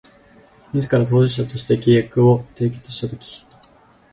自ら当事者として契約を締結したとき